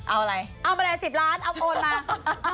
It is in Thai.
เอาอะไรเอาไปเลย๑๐ล้านเอาโอนมา